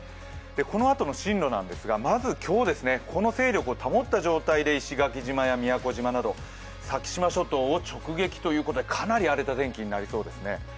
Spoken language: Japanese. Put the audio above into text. このあとの進路なんですが、まず今日ですね、この勢力を保ったまま石垣島や宮古島など先島諸島を直撃ということでかなり荒れた天気になりそうです。